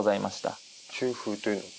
中風というのは？